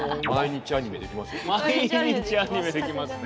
毎日アニメできますね。